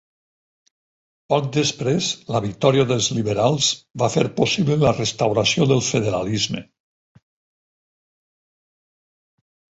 Poc després, la victòria dels liberals va fer possible la restauració del federalisme.